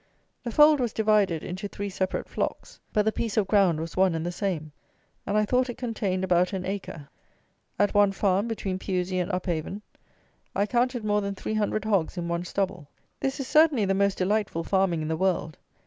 The fold was divided into three separate flocks; but the piece of ground was one and the same; and I thought it contained about an acre. At one farm, between Pewsey and Upavon, I counted more than 300 hogs in one stubble. This is certainly the most delightful farming in the world.